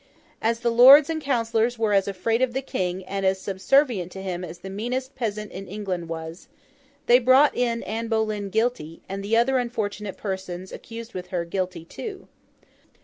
As the lords and councillors were as afraid of the King and as subservient to him as the meanest peasant in England was, they brought in Anne Boleyn guilty, and the other unfortunate persons accused with her, guilty too.